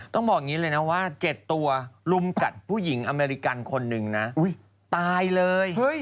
ต้องบอกอย่างนี้เลยนะว่า๗ตัวลุมกัดผู้หญิงอเมริกันคนหนึ่งนะตายเลย